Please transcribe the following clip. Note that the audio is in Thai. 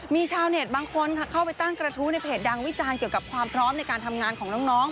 มีชาวเน็ตบางคนเข้าไปตั้งกระทู้ในเพจดังวิจารณ์เกี่ยวกับความพร้อมในการทำงานของน้อง